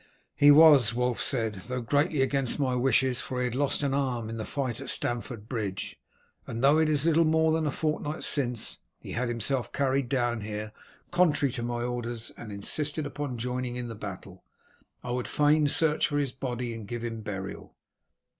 "He was," Wulf said, "though greatly against my wishes; for he had lost an arm in the fight at Stamford Bridge, and though it is little more than a fortnight since, he had himself carried down here, contrary to my orders, and insisted upon joining in the battle. I would fain search for his body and give him burial."